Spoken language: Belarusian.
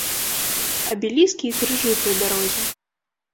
Абеліскі і крыжы пры дарозе.